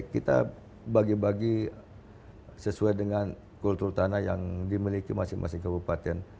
kita bagi bagi sesuai dengan kultur tanah yang dimiliki masing masing kabupaten